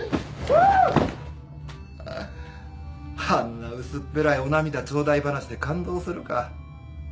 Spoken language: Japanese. あんな薄っぺらいお涙頂戴話で感動するか。